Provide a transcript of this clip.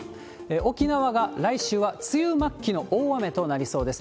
沖縄が来週は梅雨末期の大雨となりそうです。